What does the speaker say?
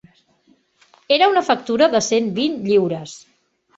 Era una factura de cent vint lliures.